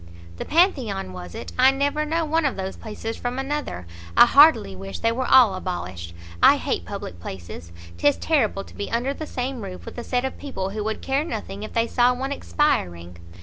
"The Pantheon, was it? I never know one of those places from another. I heartily wish they were all abolished; I hate public places. 'Tis terrible to be under the same roof with a set of people who would care nothing if they saw one expiring!"